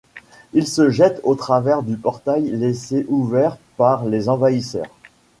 Il se jette au travers du portail laissé ouvert par les envahisseurs.